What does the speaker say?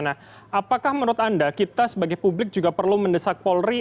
nah apakah menurut anda kita sebagai publik juga perlu mendesak polri